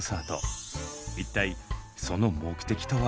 一体その目的とは？